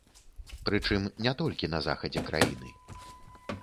Прычым не толькі на захадзе краіны.